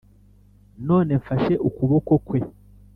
none mfashe ukuboko kwe